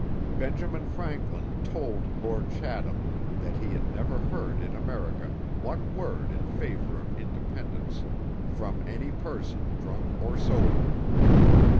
Benjamin Franklin told Lord Chatham that he had never heard in America one word in favour of independence 'from any person, drunk or sober.'